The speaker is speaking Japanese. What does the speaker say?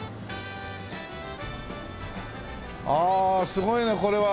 ああすごいねこれは。